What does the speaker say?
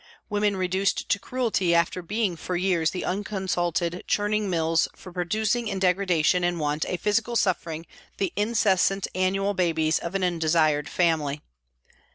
Women reduced to cruelty after being for years the unconsulted churning mills for producing in degradation and want and physical suffering the incessant annual babies of an undesired family.